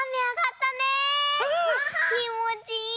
きもちいいね！